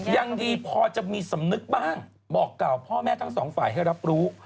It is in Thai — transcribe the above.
ยังดีพอจะมีสำนึกบ้างบอกกล่าวพ่อแม่ทั้งสองฝ่ายให้รับรู้